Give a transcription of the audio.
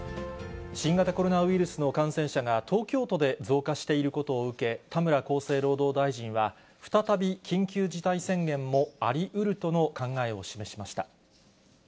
新型コロナウイルスの感染者が、東京都で増加していることを受け、田村厚生労働大臣は、再び緊急事態宣言もありうるとの考えを示しました。